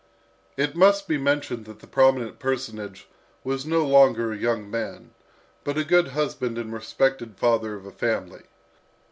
It must be mentioned that the prominent personage was no longer a young man, but a good husband and respected father of a family.